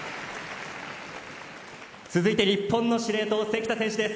続いて、日本の司令塔関田選手です。